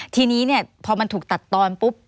ทีนี้พอมันถูกตัดตอนปุ๊บ